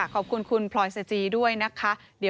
ขอบคุณคุณพลอยสจีด้วยนะคะ